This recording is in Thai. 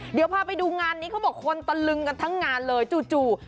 เดี๋ยวพาไปดูงานนี้เขาบอกคนตะลึงกันทั้งงานเลยจู่